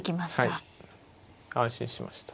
安心しました。